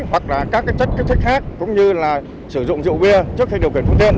hoặc là các chất kết thúc khác cũng như là sử dụng rượu bia trước khi điều kiện phương tiện